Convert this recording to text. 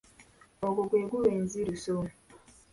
Ogwo gwe guba enziruso.